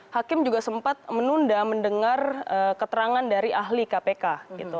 hakim juga sempat menunda mendengar keterangan dari ahli kpk